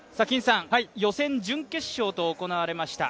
予選、準決勝と行われました。